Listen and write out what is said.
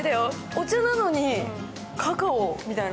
お茶なのにカカオみたいな。